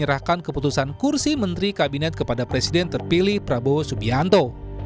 menyerahkan keputusan kursi menteri kabinet kepada presiden terpilih prabowo subianto